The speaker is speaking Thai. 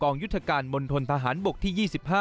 กองกองยุทธการบนทนทหารบกที่๒๕